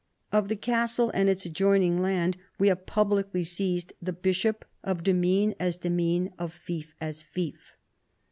Of the castle and its adjoining land we have publicly seized the bishop, of demesne as demesne, of fief as fief."